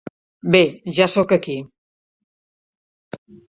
Bé, ja soc aquí.